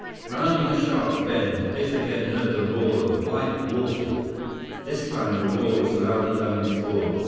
Rounding a sharp bend, Biff again heard the roar of white water. This time the roar was louder than before.